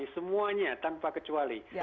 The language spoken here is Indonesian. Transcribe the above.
semuanya tanpa kecuali